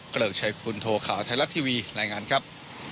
เกริกชัยคุณโทข่าวไทยรัฐทีวีรายงานครับ